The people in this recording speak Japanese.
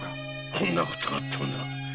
こんなことがあってはならん。